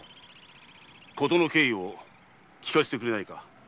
ことの経緯を聞かせてくれないか？